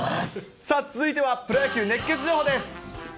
さあ、続いてはプロ野球熱ケツ情報です。